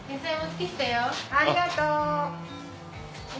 ありがとう。